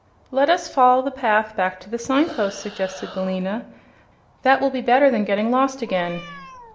"Let us follow the path back to the signpost," suggested Billina. "That will be better than getting lost again."